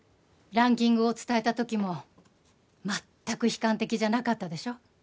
ランキングを伝えた時も全く悲観的じゃなかったでしょ？